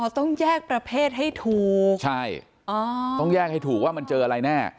ต้องแยกประเภทให้ถูกใช่ต้องแยกให้ถูกว่ามันเจออะไรแน่